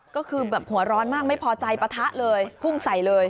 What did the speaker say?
ก็คือแบบหัวร้อนมากไม่พอใจปะทะเลพุ่งใส่เลย